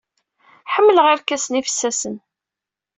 Ḥemmleɣ irkasen ifessasen.